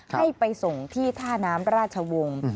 ให้ไปส่งที่ท่าน้ำราชวงศ์